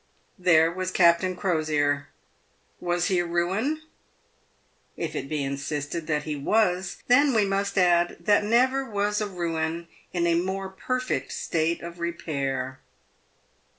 There was Captain Crosier. "Was he a ruin ? If it be insisted that he was, then we must add, that never was a ruin in a more perfect state of repair.